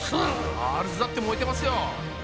ガールズだって燃えてますよ！